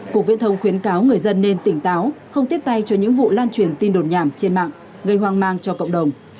cục viễn thông khuyến cáo người dân nên tỉnh táo không tiếp tay cho những vụ lan truyền tin đồn nhảm trên mạng gây hoang mang cho cộng đồng